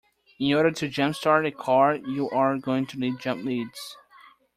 In order to jumpstart a car you are going to need jump leads